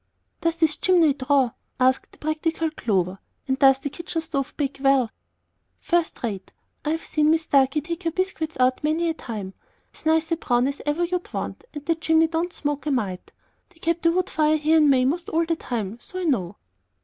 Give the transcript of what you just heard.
"Does this chimney draw?" asked the practical Clover; "and does the kitchen stove bake well?" "First rate. I've seen Mis Starkey take her biscuits out many a time, as nice a brown as ever you'd want; and the chimney don't smoke a mite. They kep' a wood fire here in May most all the time, so I know."